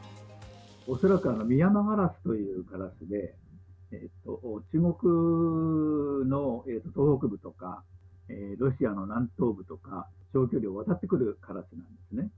恐らくミヤマガラスというカラスで、中国の東北部とか、ロシアの南東部とか、長距離を渡ってくるカラスですね。